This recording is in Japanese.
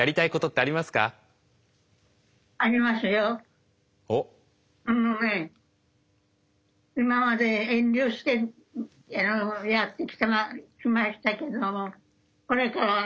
あのね今まで遠慮してやってきましたけどもこれからはお！